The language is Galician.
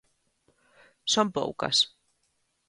Son poucas.